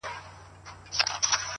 جهاني زما په قسمت نه وو دا ساعت لیکلی،